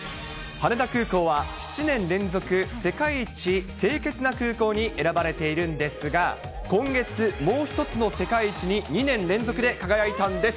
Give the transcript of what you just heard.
羽田空港は７年連続、世界一清潔な空港に選ばれているんですが、今月、もう一つの世界一に２年連続で輝いたんです。